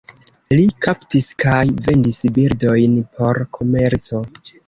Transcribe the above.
Li kaptis kaj vendis birdojn por komerco.